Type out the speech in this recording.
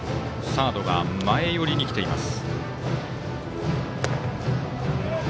サードが前寄りにきています。